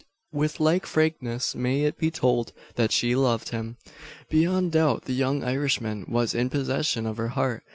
With like frankness may it be told, that she loved him. Beyond doubt, the young Irishman was in possession of her heart.